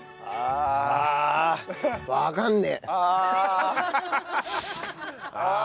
ああ！